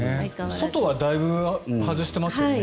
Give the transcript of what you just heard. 外はだいぶ外していますよね。